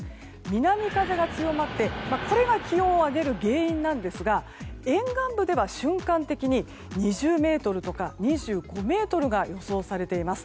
南風が強まってこれが気温を上げる原因ですが沿岸部では瞬間的に２０メートルとか２５メートルが予想されています。